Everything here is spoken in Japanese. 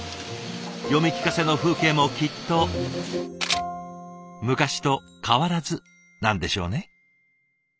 読み聞かせの風景もきっと昔と変わらずなんでしょうね。